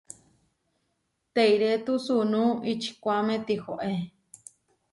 Teirétu sunú ičikuáme tihoé.